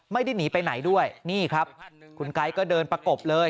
ไม่ได้หนีไปไหนด้วยนี่ครับคุณไก๊ก็เดินประกบเลย